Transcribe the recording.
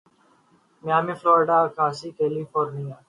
Miami Florida آکسارڈ California